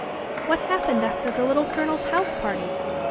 " What happened after the Little Colonel's house party